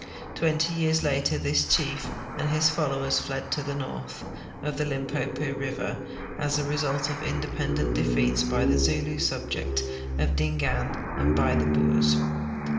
Twenty years later this chief and his followers fled to the north of the Limpopo river, as the result of independent defeats by the Zulu subjects of Dingaan and l)y the Boers.